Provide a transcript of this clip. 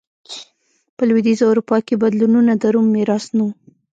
په لوېدیځه اروپا کې بدلونونه د روم میراث نه و